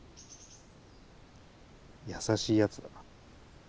優しいやつだな。